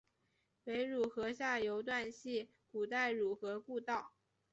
北汝河下游段系古代汝水故道。